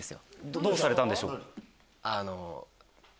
どうされたんでしょう？